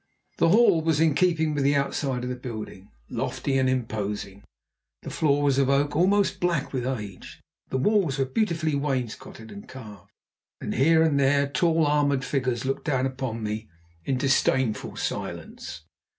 The hall was in keeping with the outside of the building, lofty and imposing. The floor was of oak, almost black with age, the walls were beautifully wainscoted and carved, and here and there tall armoured figures looked down upon me in disdainful silence.